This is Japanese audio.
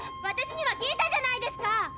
私には聞いたじゃないですか。